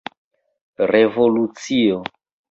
revolucio